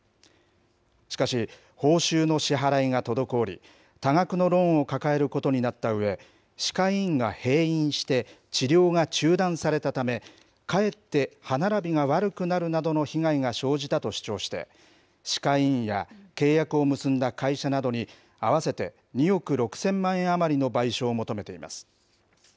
しかし、報酬の支払いが滞り、多額のローンを抱えることになったうえ、歯科医院が閉院して治療が中断されたため、かえって歯並びが悪くなるなどの被害が生じたと主張して、歯科医院や契約を結んだ会社などに、合わせて２億６０００万円余りの賠償を求めています。